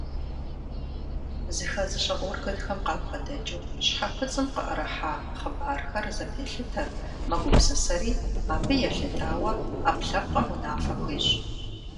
Зыхэзыщӏэ органхэм къабгъэдэкӏыу щхьэкуцӏым къыӏэрыхьа хъыбархэр зэпелъытэ, мэгупсысэри, абы елъытауэ ӏэпкълъэпкъым унафэ хуещӏ.